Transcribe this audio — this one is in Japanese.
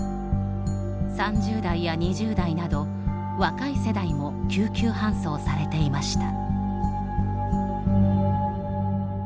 ３０代や２０代など若い世代も救急搬送されていました。